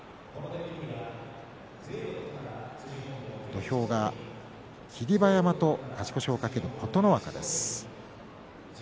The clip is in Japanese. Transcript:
土俵が霧馬山と勝ち越しを懸ける琴ノ若。